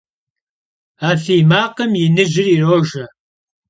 A fiy makhım yinıjır yirojje.